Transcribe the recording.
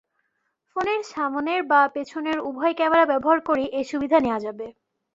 ফোনের সামনের বা পেছনের উভয় ক্যামেরা ব্যবহার করেই এ সুবিধা নেওয়া যাবে।